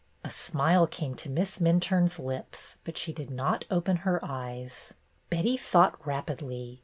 A smile came to Miss Minturne's lips, but she did not open her eyes. Betty thought rapidly.